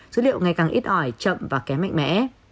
dữ liệu ngày càng ít ỏi chậm và kém mạnh mẽ